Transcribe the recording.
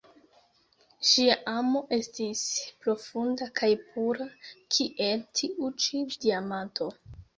Ŝia amo estis profunda kaj pura, kiel tiu ĉi diamanto.